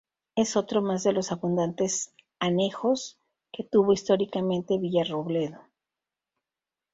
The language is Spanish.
Es otro más de los abundantes anejos que tuvo históricamente Villarrobledo.